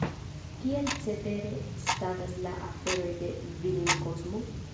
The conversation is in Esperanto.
Kiel cetere statas la aferoj de Vinilkosmo?